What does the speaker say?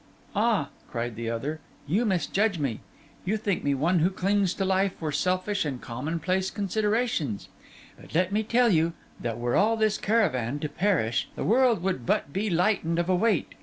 'Ah!' cried the other, 'you misjudge me. You think me one who clings to life for selfish and commonplace considerations. But let me tell you, that were all this caravan to perish, the world would but be lightened of a weight.